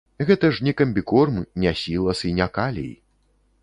Гэта ж не камбікорм, не сілас і не калій.